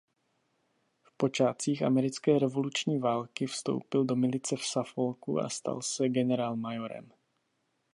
V počátcích americké revoluční války vstoupil do milice v Suffolku a stal se generálmajorem.